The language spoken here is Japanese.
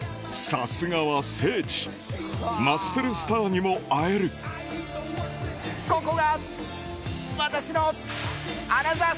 さすがは聖地マッスルスターにも会えるここが私のアナザー